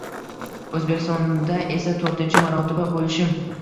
Oʻzbekistonda esa toʻrtinchi marotaba boʻlishim...